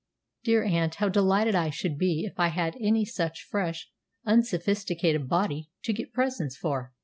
"Dear aunt, how delighted I should be if I had any such fresh, unsophisticated body to get presents for!